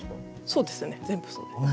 そうですね全部そうです。